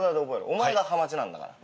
お前がハマチなんだから。